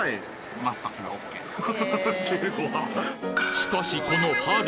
しかしこの「はる」。